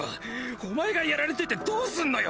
おまえがやられててどすんのよ！